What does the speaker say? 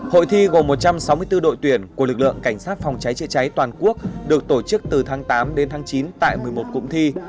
hội thi gồm một trăm sáu mươi bốn đội tuyển của lực lượng cảnh sát phòng cháy chữa cháy toàn quốc được tổ chức từ tháng tám đến tháng chín tại một mươi một cụm thi